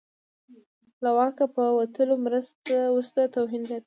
له واکه په وتلو وروسته توهین زیاتېږي.